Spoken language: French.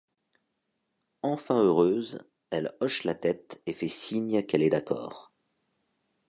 Enfin heureuse, elle hoche la tête et fait signe qu'elle est d'accord.